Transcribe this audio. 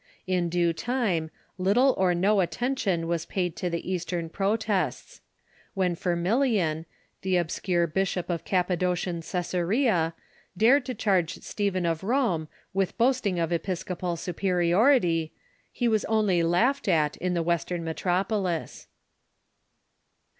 In due time little or no attention was paid to the Eastern protests. When Firrailian, the obscure bishop of Caj)padocian Ctesarea, dared to charge Stephen of Rome with boasting of episcopal superiority, he was only laughed at in the Western metropolis.